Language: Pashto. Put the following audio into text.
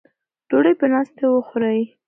ډوډۍ په ناستې وخورئ.